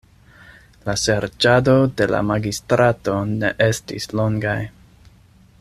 La serĉadoj de la magistrato ne estis longaj.